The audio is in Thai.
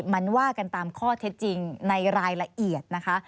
มันว่ากันตามข้อเท็จจริงในรายละเอียดนะคะ